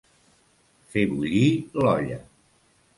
Fer bullir l'olla.